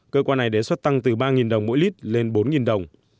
cơ quan này đề xuất tăng từ ba đồng mỗi lít lên bốn đồng